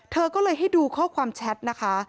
เธอก็เลยให้ดูข้อความแชทนะคะ